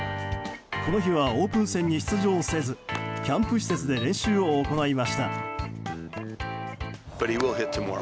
この日は、オープン戦に出場せずキャンプ施設で練習を行いました。